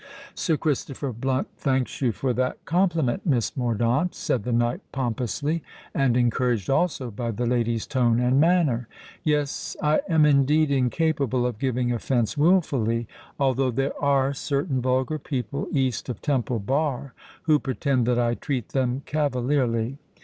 "Sir Christopher Blunt thanks you for that compliment, Miss Mordaunt," said the knight pompously, and encouraged also by the lady's tone and manner. "Yes—I am indeed incapable of giving offence wilfully; although there are certain vulgar people east of Temple Bar who pretend that I treat them cavalierly.